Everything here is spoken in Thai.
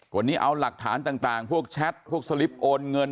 วันนี้เอาหลักฐานต่างพวกแชทพวกสลิปโอนเงิน